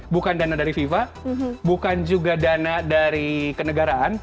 bukan dana dari fifa bukan juga dana dari kenegaraan